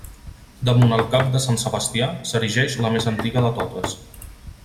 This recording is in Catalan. Damunt el cap de Sant Sebastià, s'erigeix la més antiga de totes.